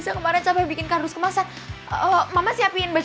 cukup cukup kan jadi ngembang